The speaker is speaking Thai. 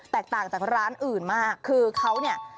ต่างจากร้านอื่นมากคือเขาเนี่ย